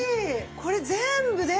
これ全部で？